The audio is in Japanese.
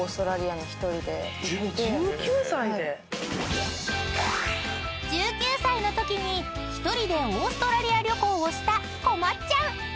１９歳で⁉［１９歳のときに１人でオーストラリア旅行をしたこまっちゃん。